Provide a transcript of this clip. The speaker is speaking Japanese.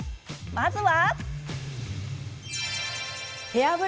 まずは。